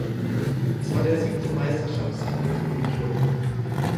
Es war der siebte Meisterschaftstitel für den Klub.